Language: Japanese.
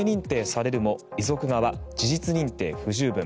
遺族側事実認定不十分。